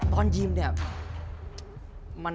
ตอนยิมเนี่ย